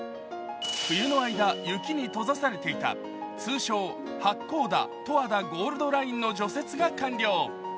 冬の間雪に閉ざされていた通称、八甲田・十和田ゴールドラインの除雪が完了。